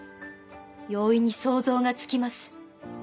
容易に想像がつきます。